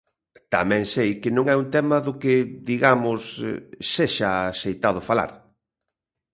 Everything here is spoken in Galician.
Tamén sei que non é un tema do que, digamos, sexa axeitado falar.